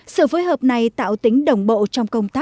sự phối hợp này tạo tính đồng bộ trong công tác